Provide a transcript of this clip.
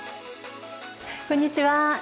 こんにちは。